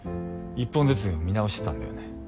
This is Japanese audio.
１本ずつ見直してたんだよね。